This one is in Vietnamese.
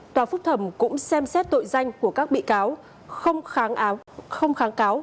tòa phúc thẩm cũng xem xét tội danh của các bị cáo không kháng cáo